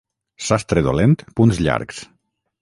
Sastre dolent, punts llargs.